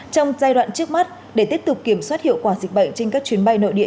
trong giai đoạn trước mắt để tiếp tục kiểm soát hiệu quả dịch bệnh trên các chuyến bay nội địa